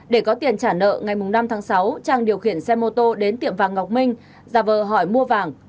để có tiền trả nợ ngày năm tháng sáu trang điều khiển xe mô tô đến tiệm vàng ngọc minh giả vờ hỏi mua vàng